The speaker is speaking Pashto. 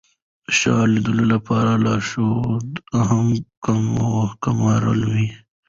د ښار لیدو لپاره لارښود هم ګمارلی و.